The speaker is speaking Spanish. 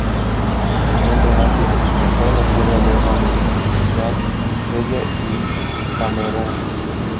Se encuentra en África occidental de Sierra Leona Benín Ghana Nigeria y Camerún.